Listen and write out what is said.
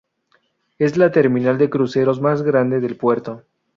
Es la terminal de cruceros más grande del puerto.